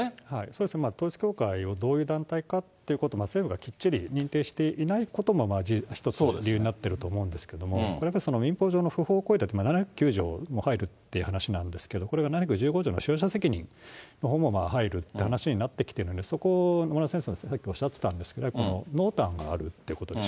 そうですね、統一教会をどういう団体かということを政府がきっちり認定していないことも、一つ理由になってると思うんですけれども、これやっぱり、民法上の不法行為、７０９条に話なんですけど、これが条の使用者責任ということも入るって話になってきているので、そこを野村先生、さっきおっしゃってたんですけど、濃淡があるってことで、